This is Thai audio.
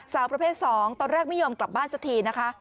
สาวประเภท๒ตอนแรกไม่ยอมกลับบ้านสักทีนะคะ